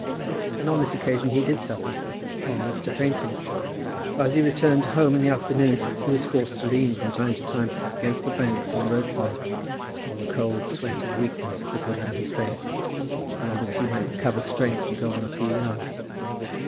And on this occasion he did suffer, almost to fainting, for as he returned home in the afternoon he was forced to lean from time to time against the banks on the road side, while the cold sweat of weakness trickled down his face, in order that he might recover strength to go on a few yards.